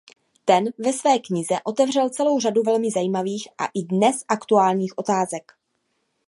Ten ve své knize otevřel celou řadu velmi zajímavých a i dnes aktuálních otázek.